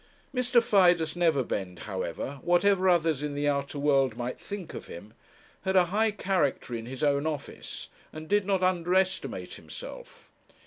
Mr. Fidus Neverbend, however, whatever others in the outer world might think of him, had a high character in his own office, and did not under estimate himself.